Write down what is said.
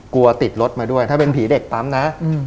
กลัวติดรถมาด้วยถ้าเป็นผีเด็กปั๊มนะ